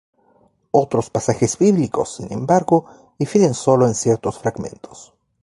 Otros pasajes bíblicos, sin embargo, difieren sólo en ciertos fragmentos.